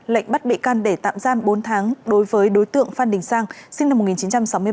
lệnh bắt bị can để tạm giam bốn tháng đối với đối tượng phan đình sang sinh năm một nghìn chín trăm sáu mươi ba